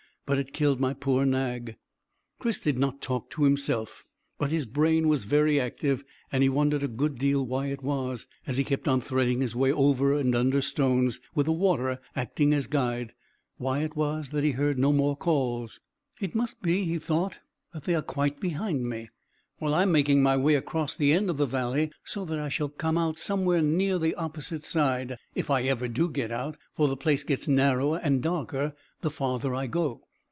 But it killed my poor nag." Chris did not talk to himself, but his brain was very active, and he wondered a good deal why it was, as he kept on threading his way over and under stones, with the water acting as guide why it was that he heard no more calls. "It must be," he thought, "that they are quite behind me, while I'm making my way across the end of the valley, so that I shall come out somewhere near the opposite side if I ever do get out, for the place gets narrower and darker the farther I go."